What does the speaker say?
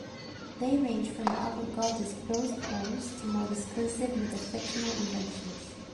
They range from avant-gardist prose poems to more discursive metafictional inventions.